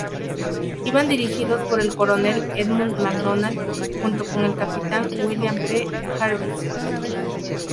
Iban dirigidos por el Coronel Edmund McDonald, junto con el Capitán William P. Jarvis.